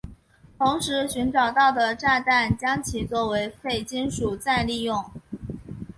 同时寻找到的炸弹将其作为废金属再利用。